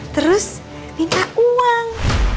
terus minta uang